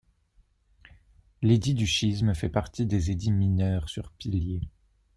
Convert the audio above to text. L'édit du schisme fait partie des édits mineurs sur pilier.